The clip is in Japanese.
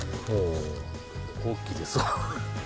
大きいです。